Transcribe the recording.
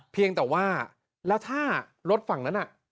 เพียงแต่ว่าแล้วถ้ารถฝั่งนั้นน่ะ